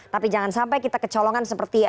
tapi jangan sampai kita kecolongan seperti